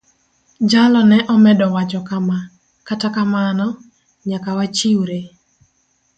Jalo ne omedo wacho kama: "Kata kamano, nyaka wachiwre.